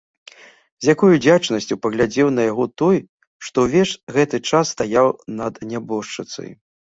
З якой удзячнасцю паглядзеў на яго той, што ўвесь гэты час стаяў над нябожчыцай!